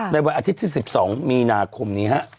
วันอาทิตย์ที่๑๒มีนาคมนี้ฮะ